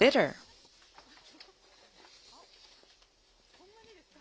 そんなにですか。